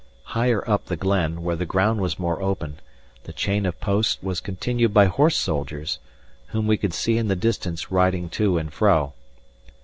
Higher up the glen, where the ground was more open, the chain of posts was continued by horse soldiers, whom we could see in the distance riding to and fro.